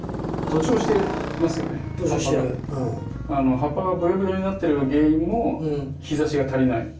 葉っぱがぶよぶよになってる原因も日ざしが足りない。